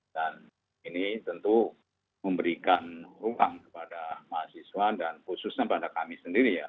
dan ini tentu memberikan ruang kepada mahasiswa dan khususnya pada kami sendiri ya